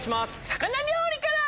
魚料理から！